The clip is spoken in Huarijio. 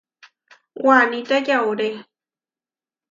Waníta yauré.